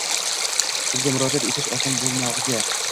Sudga murojaat etish oson bo‘lmog‘iga